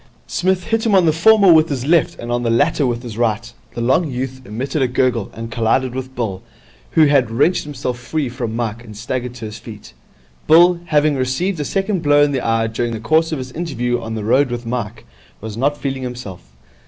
Psmith hit him on the former with his left and on the latter with his right. The long youth emitted a gurgle, and collided with Bill, who had wrenched himself free from Mike and staggered to his feet. Bill, having received a second blow in the eye during the course of his interview on the road with Mike, was not feeling himself.